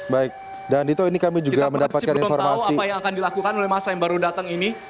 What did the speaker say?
baik dan dito ini kami juga mendapatkan informasi apa yang akan dilakukan oleh masa yang baru datang ini